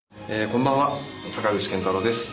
こんばんは坂口健太郎です。